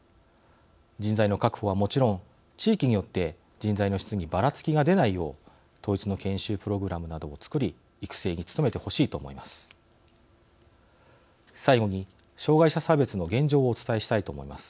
人材の確保はもちろん地域によって人材の質にばらつきが出ないよう統一の研修プログラムなどを作り育成に努めてほしいと思います。